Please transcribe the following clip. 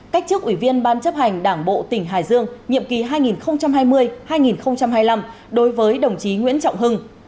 cách chức ủy viên ban chấp hành đảng bộ tỉnh hải dương nhiệm kỳ hai nghìn hai mươi hai nghìn hai mươi năm đối với đồng chí nguyễn trọng hưng